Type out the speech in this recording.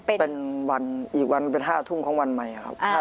เป็นวันอีกวันเป็น๕ทุ่มของวันใหม่ครับ